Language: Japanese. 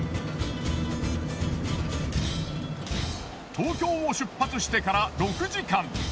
東京を出発してから６時間。